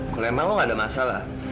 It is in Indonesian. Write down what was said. kalau emang lo gak ada masalah